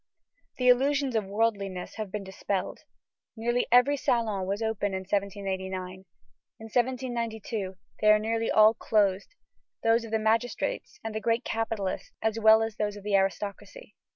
The illusions of worldliness have been dispelled. Nearly every salon was open in 1789. In 1792, they are nearly all closed; those of the magistrates and the great capitalists as well as those of the aristocracy.